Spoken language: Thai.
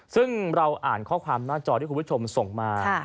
ซึ่งเราอ่านข้อความหน้าจอที่คุณผู้ชมส่งมา